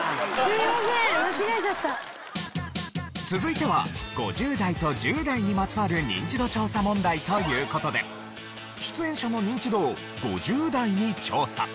続いては５０代と１０代にまつわるニンチド調査問題という事で出演者のニンチドを５０代に調査。